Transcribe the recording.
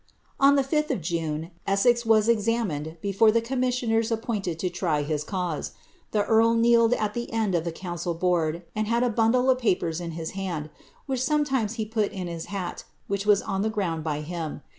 On the 5th of June, Essex was examined before the commissioners appointed to try his cause. The earl kneeled at the end of the council* board, and had a bundle of papers in his hand, which sometimes he put in his hat, which was on the ground by him.